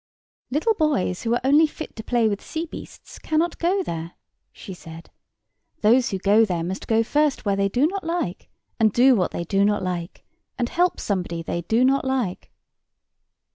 "Little boys who are only fit to play with sea beasts cannot go there," she said. "Those who go there must go first where they do not like, and do what they do not like, and help somebody they do not like."